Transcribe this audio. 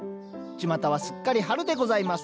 ちまたはすっかり春でございます